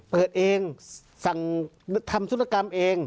เปิดเองทำศุลกรรมเอง